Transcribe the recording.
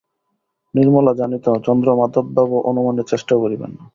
নির্মলা জানিত চন্দ্রমাধববাবু অনুমানের চেষ্টাও করিবেন না।